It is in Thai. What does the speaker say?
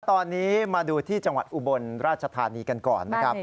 ตอนนี้มาดูที่จังหวัดอุบลราชธรรมดีกันก่อน